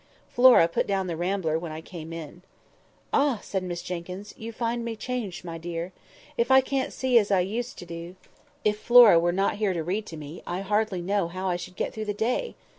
Flora put down the Rambler when I came in. "Ah!" said Miss Jenkyns, "you find me changed, my dear. I can't see as I used to do. If Flora were not here to read to me, I hardly know how I should get through the day.